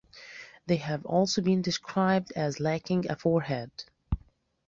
They have also been described as lacking a forehead.